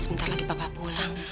sebentar lagi papa pulang